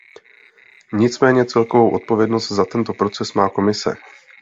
Nicméně celkovou odpovědnost za tento proces má Komise.